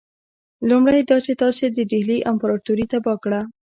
لومړی دا چې تاسي د ډهلي امپراطوري تباه کړه.